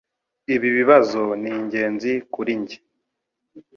Ibi bibazo ni ingenzi kuri njye.